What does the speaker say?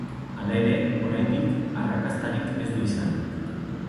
Hala ere, oraindik, arrakastarik ez du izan.